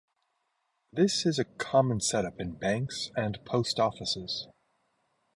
This is a common setup in banks and post offices.